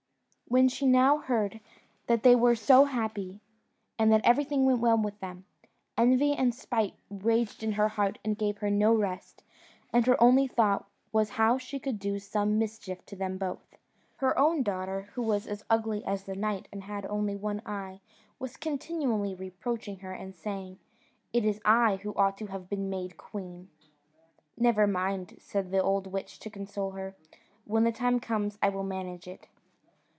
When she now heard they were so happy, and that everything went well with them, envy and spite raged in her heart and gave her no rest, and her only thought was how she could do some mischief to them both. Her own daughter, who was as ugly as the night and had only one eye, was continually reproaching her, and saying, "It is I who ought to have been made queen." "Never mind," said the old witch to console her; "when the time comes I will manage it."